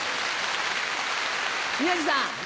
宮治さん。